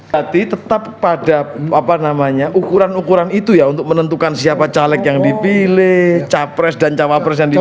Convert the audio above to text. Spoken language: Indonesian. hati tetap pada ukuran ukuran itu ya untuk menentukan siapa caleg yang dipilih capres dan cawapres yang dipilih